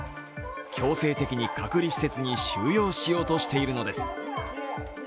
強制的に隔離施設に収容しようとしているのです。